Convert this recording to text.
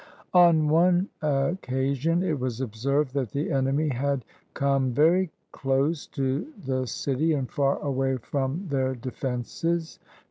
On one occasion it was observed that the enemy had come very close to the city and far away from their defences.